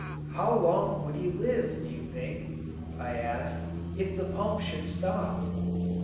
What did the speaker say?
"How long would he live, do you think," I asked, "if the pump should stop?"